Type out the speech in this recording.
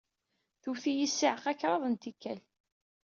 Twet-iyi ssiɛqa kraḍt n tikkal.